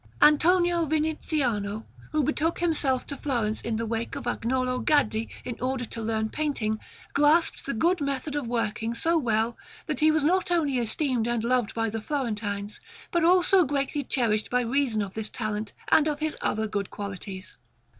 Antonio Viniziano, who betook himself to Florence in the wake of Agnolo Gaddi in order to learn painting, grasped the good method of working so well that he was not only esteemed and loved by the Florentines, but also greatly cherished by reason of this talent and of his other good qualities.